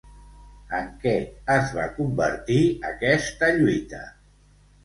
En què es va convertir aquesta lluita?